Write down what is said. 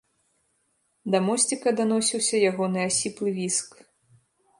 Да мосціка даносіўся ягоны асіплы віск.